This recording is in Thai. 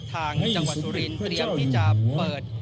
ทางจังหวัดสุรินเตรียมที่จะเปิด